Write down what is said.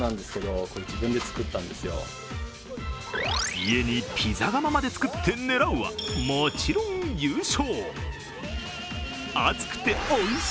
家にピザ窯まで作って狙うはもちろん優勝！